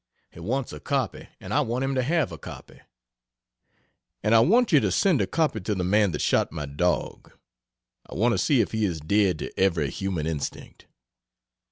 He wants a copy and I want him to have a copy. And I want you to send a copy to the man that shot my dog. I want to see if he is dead to every human instinct.